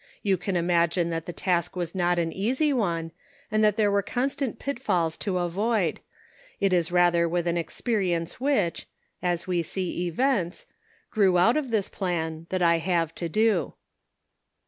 You can imagine that the task was not an easy one, and that there were constant pitfalls to avoid ; it is rather with an experience which — as we see events — grew out of this plan that I have to do.